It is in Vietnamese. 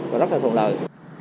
và rất là thuận lợi